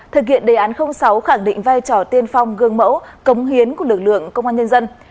thực hiện đề án sáu khẳng định vai trò tiên phong gương mẫu cống hiến của lực lượng công an nhân dân